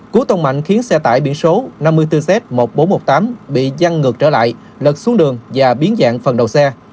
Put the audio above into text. cú tông mạnh khiến xe tải biển số năm mươi bốn z một nghìn bốn trăm một mươi tám bị dăn ngược trở lại lật xuống đường và biến dạng phần đầu xe